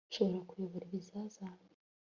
nshobora kuyobora ibizazane